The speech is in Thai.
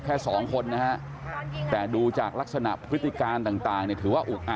พอเด็กสองคนนั้นไปแล้วก็มีพี่คานึงมาแล้วก็สองคนเหมือนกันค่ะ